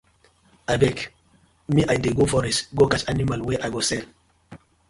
Abeg mi I dey go forest go catch animal wey I go sell.